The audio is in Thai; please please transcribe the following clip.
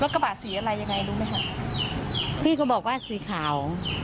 กระบะสีอะไรยังไงรู้ไหมคะพี่เขาบอกว่าสีขาว